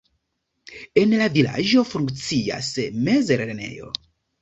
En la vilaĝo funkcias mezlernejo.